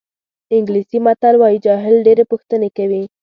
انګلیسي متل وایي جاهل ډېرې پوښتنې کوي.